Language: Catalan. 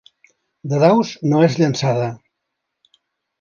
De daus no és llençada.